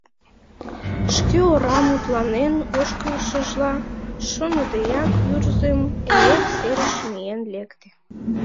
Шке ора мутланен ошкылшыжла, шоныдеак Вӱрзым эҥер серыш миен лекте.